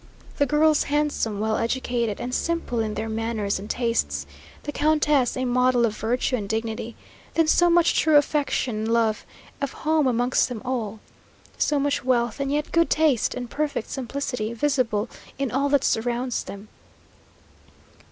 The girls handsome, well educated, and simple in their manners and tastes the Countess a model of virtue and dignity. Then so much true affection and love of home amongst them all! So much wealth and yet good taste and perfect simplicity visible in all that surrounds them!